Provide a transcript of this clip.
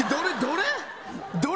どれ？